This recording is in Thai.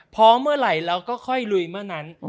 พอเมื่อไหร่เราก็ค่อยลุยเมื่อนั้น